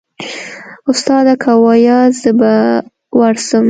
استاده که واياست زه به ورسم.